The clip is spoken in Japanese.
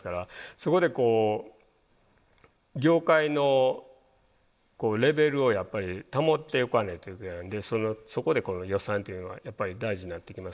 そこでこう業界のレベルをやっぱり保っていかないといけないんでそこでこの予算っていうのがやっぱり大事になってきます。